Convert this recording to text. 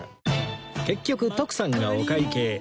結局徳さんがお会計